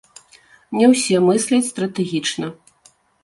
Не ўсе мысляць стратэгічна.